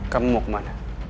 kamu mau kemana